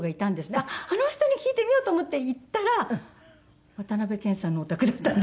あっあの人に聞いてみようと思って行ったら渡辺謙さんのお宅だったんですね。